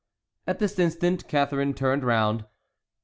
At this instant Catharine turned round.